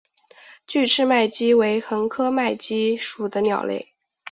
距翅麦鸡为鸻科麦鸡属的鸟类。